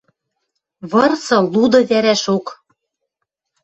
Вырсы, луды вӓрӓшок